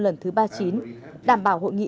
lần thứ ba mươi chín đảm bảo hội nghị